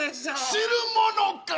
知るものか！